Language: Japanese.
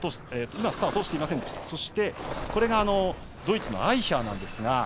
そして、これがドイツのアイヒャーです。